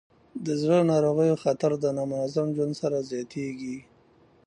د زړه ناروغیو خطر د نامنظم ژوند سره زیاتېږي.